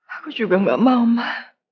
aku juga gak mau mah